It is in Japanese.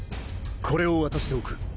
これを渡しておく。